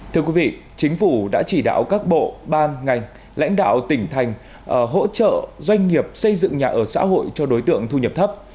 thưa quý vị chính phủ đã chỉ đạo các bộ ban ngành lãnh đạo tỉnh thành hỗ trợ doanh nghiệp xây dựng nhà ở xã hội cho đối tượng thu nhập thấp